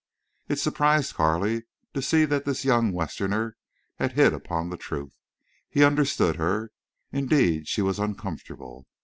It surprised Carley to see that this young Westerner had hit upon the truth. He understood her. Indeed she was uncomfortable.